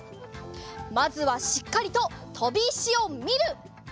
まずはしっかりととび石をみる！